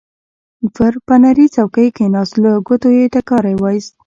پر فنري څوکۍ کېناست، له ګوتو یې ټکاری وایست.